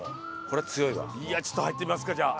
いやちょっと入ってみますかじゃあ。